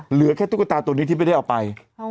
เหลือแค่ตุ๊กตาตัวนี้ที่ไม่ได้เอาไป